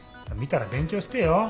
見たら勉強してよ。